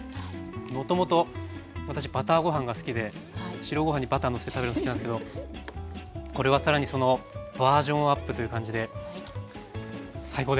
もともと私バターご飯が好きで白ご飯にバターのせて食べるの好きなんですけどこれは更にそのバージョンアップという感じで最高です。